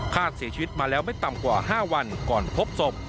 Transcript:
เสียชีวิตมาแล้วไม่ต่ำกว่า๕วันก่อนพบศพ